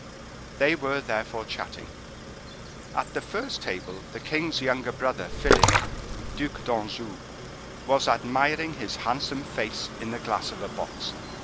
They were therefore chatting. At the first table, the king's younger brother, Philip, Duc d'Anjou, was admiring his handsome face in the glass of a box.